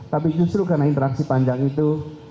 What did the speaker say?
tapi justru karena interaksi panjang itu